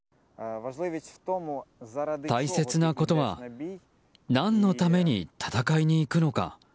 大切なことは何のために戦いに行くのか